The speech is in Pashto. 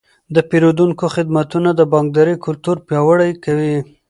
د پیرودونکو خدمتونه د بانکدارۍ کلتور پیاوړی کوي.